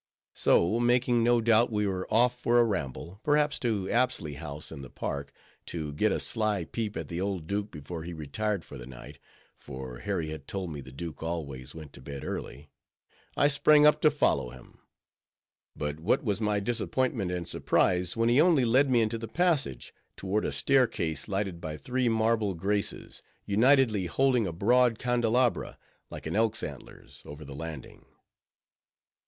So making no doubt we were off for a ramble, perhaps to Apsley House, in the Park, to get a sly peep at the old Duke before he retired for the night, for Harry had told me the Duke always went to bed early, I sprang up to follow him; but what was my disappointment and surprise, when he only led me into the passage, toward a staircase lighted by three marble Graces, unitedly holding a broad candelabra, like an elk's antlers, over the landing.